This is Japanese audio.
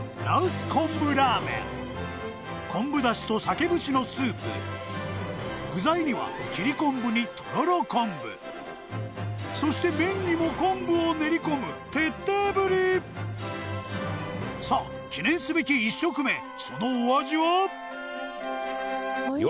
メン昆布だしとサケ節のスープ具材には切り昆布にとろろ昆布そして麺にも昆布を練り込む徹底ぶりさあ記念すべき１食目そのお味は？